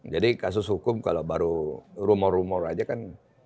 jadi kasus hukum kalau baru rumor rumor aja kan